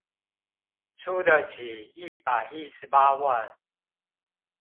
出得起一百一十八萬